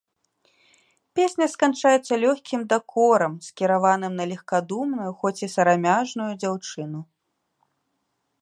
Песня сканчаецца лёгкім дакорам, скіраваным на легкадумную, хоць і сарамяжную дзяўчыну.